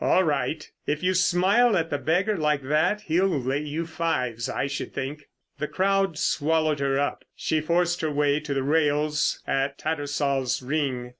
"All right. If you smile at the beggar like that he'll lay you fives, I should think." The crowd swallowed her up. She forced her way to the rails at Tattersall's Ring.